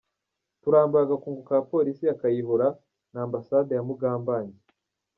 Turambiwe agakungu ka Polisi ya Kayihura n’ambassade ya Mugambage!